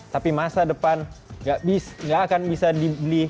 tapi masa depan nggak akan bisa dibeli